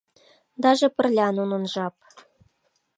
Даже пырля нунын жап.